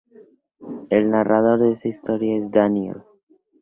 El narrador de esta historia es Daniel.